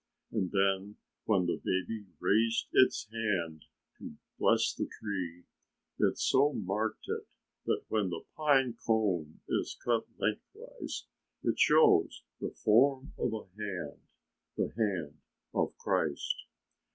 And then when the Baby raised its hand to bless the tree, it so marked it that when the pine cone is cut lengthwise it shows the form of a hand the hand of Christ."